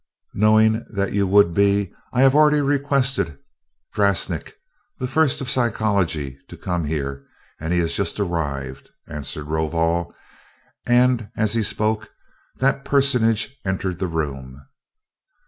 "Knowing that you would be, I have already requested Drasnik, the First of Psychology, to come here, and he has just arrived," answered Rovol. And as he spoke, that personage entered the room.